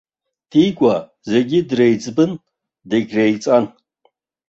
Дигәа зегьы дреиҵбын, дагьреиҵан.